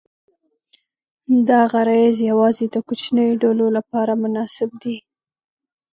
دا غرایز یواځې د کوچنیو ډلو لپاره مناسب دي.